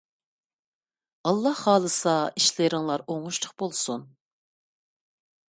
ئاللاھ خالىسا ئىشلىرىڭلار ئوڭۇشلۇق بولسۇن!